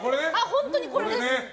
本当にこれです！